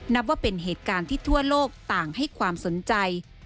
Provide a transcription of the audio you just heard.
นับว่าเป็นเหตุการณ์ที่ทั่วโลกต่างให้ความสนใจ